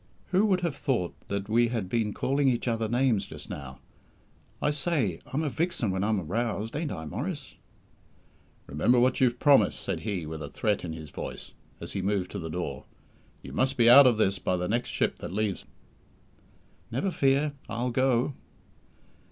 "Who would have thought that we had been calling each other names just now? I say, I'm a vixen when I'm roused, ain't I, Maurice?" "Remember what you've promised," said he, with a threat in his voice, as he moved to the door. "You must be out of this by the next ship that leaves." "Never fear, I'll go."